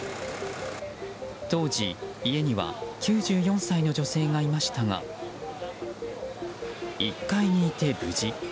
当時、家には９４歳の女性がいましたが１階にいて無事。